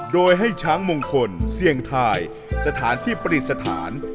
โดยให้ช้างมงคลเสี่ยงทายสถานที่ประดิษฐาน